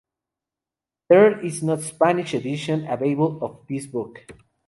There is no spanish edition available of this book.